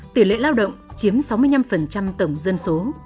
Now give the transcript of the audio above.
tỷ lệ lao động chiếm sáu mươi năm tổng dân số